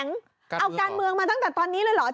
เอาการเมืองมาตั้งแต่ตอนนี้เลยเหรอ